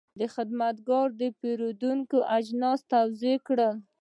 دا خدمتګر د پیرود اجناس توضیح کړل.